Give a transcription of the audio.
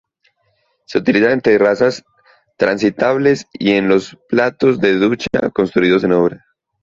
Se utilizan en terrazas transitables y en los platos de ducha construidos en obra.